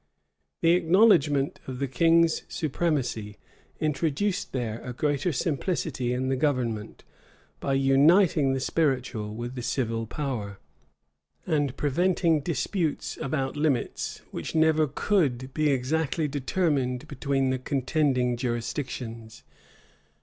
The acknowledgment of the king's supremacy introduced there a greater simplicity in the government, by uniting the spiritual with the civil power, and preventing disputes about limits, which never could be exactly determined between the contending jurisdictions.